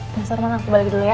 mas arman aku balik dulu ya